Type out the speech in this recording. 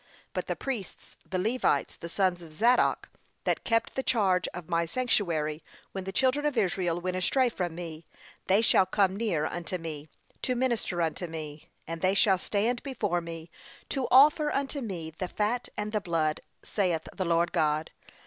'But the priests, the Levites, the sons of Zadok, that kept the charge of my sanctuary when the children of Israel went astray from me, they shall come near unto me, to minister unto me; and they shall stand before me, to offer unto me the fat and the blood, saith the Lord God.